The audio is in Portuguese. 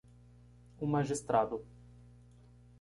Um magistrado